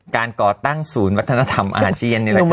การก่อตั้งศูนย์วัฒนธรรมอาเชียนนี่แหละค่ะ